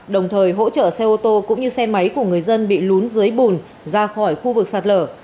đồng thời hỗ trợ xe ô tô cũng như xe máy của người dân bị lún dưới bùn ra khỏi khu vực sạt lở